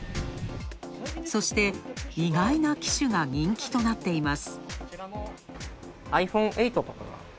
そして意外な機種が人気となっています。